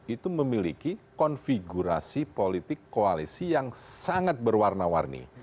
itu memiliki konfigurasi politik koalisi yang sangat berwarna warni